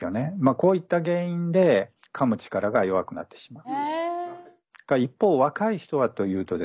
こういった原因でかむ力が弱くなってしまう。